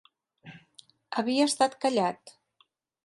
Havia estat callat.